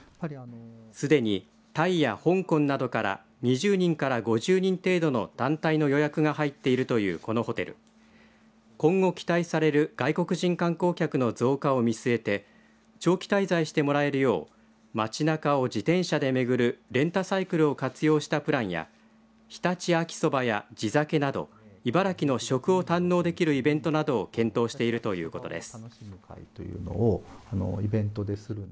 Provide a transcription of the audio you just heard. すでに、タイや香港などから２０人から５０人程度の団体の予約が入っているというこのホテル今後、期待される外国人観光客の増加を見据えて長期滞在してもらえるよう街なかを自転車で巡るレンタサイクルを活用したプランや常陸秋そばや地酒など茨城の食を堪能できるイベントなどを検討しているということです。